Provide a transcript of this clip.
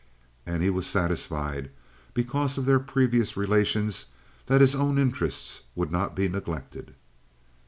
And he was satisfied, because of their previous relations, that his own interests would not be neglected.